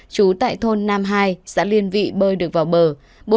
trú tại thôn nam hai xã liên vị bơi được vào bờ